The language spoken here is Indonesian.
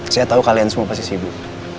saya tahu kalian semua pasti sibuk